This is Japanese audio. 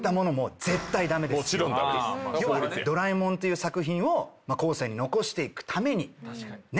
要は『ドラえもん』という作品を後世に残していくためにね。